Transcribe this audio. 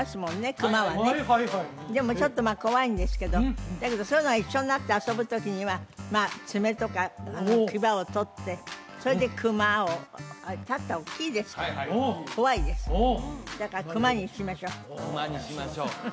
熊はねはいはいはいでもちょっと怖いんですけどだけどそういうのが一緒になって遊ぶ時にはまあ爪とか牙を取ってそれで熊をあれ立ったら大きいですから怖いですだから熊にしましょう「熊にしましょう」